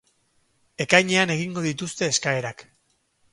Ekainean egingo dituzte eskaerak.